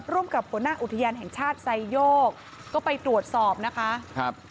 ร่วมกับหัวหน้าอุทยานแห่งชาติไซโยกก็ไปตรวจสอบนะคะครับ